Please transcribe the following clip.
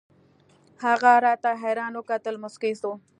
هغه راته حيران وكتل موسكى سو.